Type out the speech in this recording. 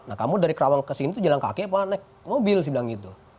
nah kamu dari kerawang kesini jalan kaki apa naik mobil sih bilang gitu